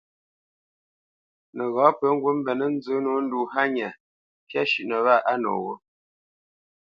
Nəghǎ pə ŋgǔt mbenə́ nzə nǒ ndu hánya ntyá shʉ́ʼnə wâ noghó.